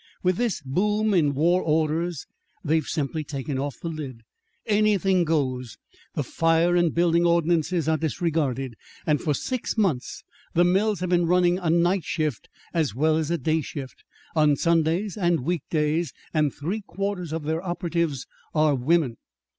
With this boom in war orders, they've simply taken off the lid. Anything goes. The fire and building ordinances are disregarded, and for six months the mills have been running a night shift as well as a day shift, on Sundays and week days, and three quarters of their operatives are women.